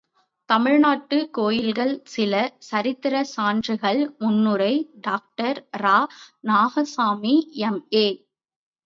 தமிழ்நாட்டுக் கோயில்கள் சில சரித்திரச் சான்றுகள் முன்னுரை டாக்டர் இரா, நாகசாமி எம்.ஏ.